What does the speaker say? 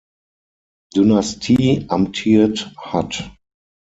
Dynastie, amtiert hat.